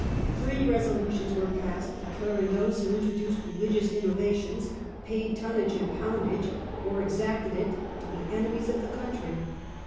Three resolutions were passed, de claring those who introduced religious innovations, paid tunnage and poundage, or exacted it, to be enemies of the country.